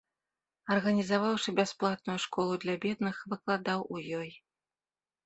Арганізаваўшы бясплатную школу для бедных, выкладаў у ёй.